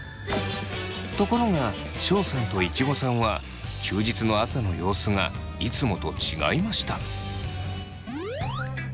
ところがションさんといちごさんは休日の朝の様子がいつもと違いました。